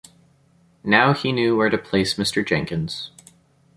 Now he knew where to place Mr. Jenkins.